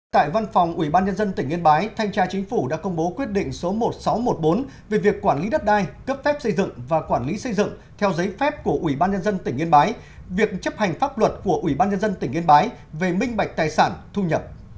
tại văn phòng ubnd tỉnh yên bái thanh tra chính phủ đã công bố quyết định số một nghìn sáu trăm một mươi bốn về việc quản lý đất đai cấp phép xây dựng và quản lý xây dựng theo giấy phép của ubnd tỉnh yên bái việc chấp hành pháp luật của ubnd tỉnh yên bái về minh bạch tài sản thu nhập